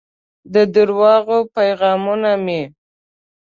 د درواغو پیغامونه مې